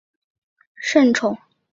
他因为玄宗作祭祀词而得圣宠。